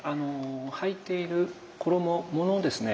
はいている衣のですね